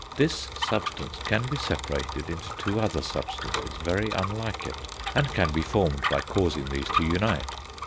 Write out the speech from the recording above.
This substance can be separated into two other substances very unlike it, and can be formed by causing these to unite.